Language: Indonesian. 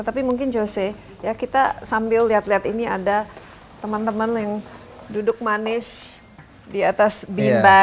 tapi mungkin jose ya kita sambil lihat lihat ini ada teman teman yang duduk manis di atas bimba